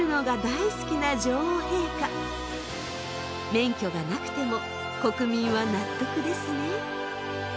免許がなくても国民は納得ですね。